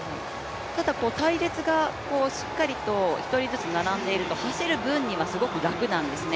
ただ、隊列がしっかりと１人ずつ並んでいると、走る分にはすごく楽なんですね。